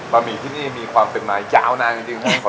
หมี่ที่นี่มีความเป็นมายาวนานจริงครับ